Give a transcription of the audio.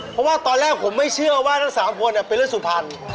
เพราะว่าตอนแรกผมไม่เชื่อว่าทั้ง๓คนเป็นเรื่องสุพรรณ